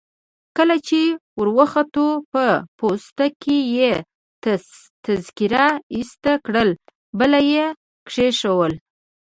کله چي وروختو په پوسته کي يې تذکیره ایسته کړل، بله يي کښېښول.